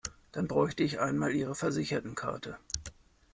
Dann bräuchte ich einmal ihre Versichertenkarte.